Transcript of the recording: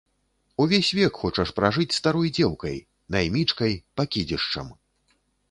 Увесь век хочаш пражыць старой дзеўкай, наймічкай, пакідзішчам.